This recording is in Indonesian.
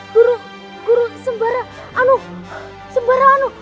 guru guru sembara anu sembara anu